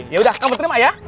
yaudah kamu terima ya